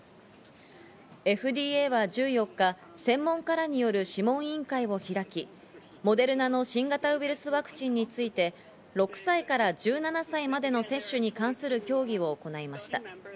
ＦＤＡは１４日、専門家らによる諮問委員会を開き、モデルナの新型ウイルスワクチンについて６歳から１７歳までの接種に関する協議を行いました。